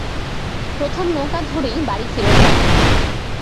প্রথম নৌকা ধরেই বাড়ি ফিরে যাবো।